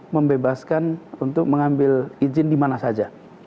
membebaskan untuk mengambil izin di mana saja